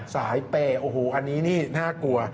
สายเปย์โอ้โหอันนี้นี่น่ากลัว